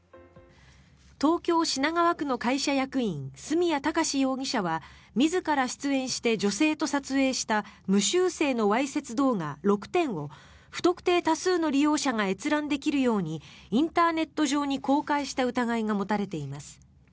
東京・品川区の会社役員角谷貴史容疑者は自ら出演して女性と撮影した無修正のわいせつ動画６点を不特定多数の利用者が閲覧できるようにインターネット上に公開した疑いが持たれています。